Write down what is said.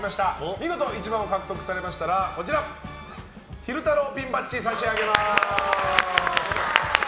見事１番を獲得されましたら昼太郎ピンバッジを差し上げます。